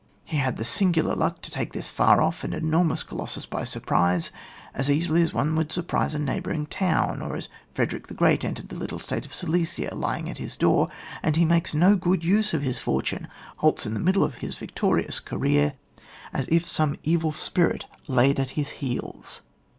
He had the singular luck to take this far off and enormous colossus by surprise, as easily as one would sur prise a neighbouring town, or as Fred erick the Gfreat entered the little state of Silesia, lying at his door, and he makes no use of his good fortune, halts in the middle of his victorious career, as if some evil spirit lai^ at his heels